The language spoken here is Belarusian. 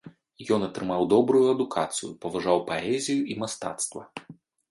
Ён атрымаў добрую адукацыю, паважаў паэзію і мастацтва.